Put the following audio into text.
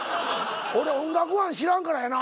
俺音楽班知らんからやな。